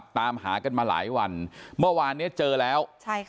ตามหากันมาหลายวันเมื่อวานนี้เจอแล้ว